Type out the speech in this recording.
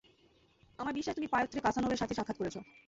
আমার বিশ্বাস তুমি পায়ত্রে কাশানোভ এর সাথে সাক্ষাৎ করেছ।